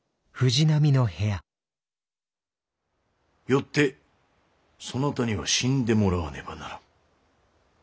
よってそなたには死んでもらわねばならぬ。